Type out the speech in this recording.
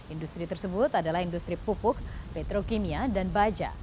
industri tersebut adalah industri pupuk petrokimia dan baja